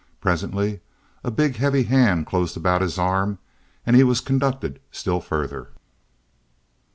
Presently a big, heavy hand closed about his arm, and he was conducted still further.